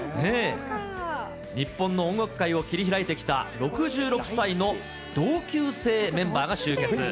日本の音楽界を切り開いてきた６６歳の同級生メンバーが集結。